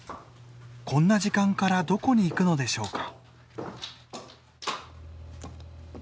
こんな時間からどこに行くのでしょうか。